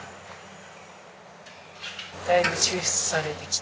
だいぶ抽出されてきた。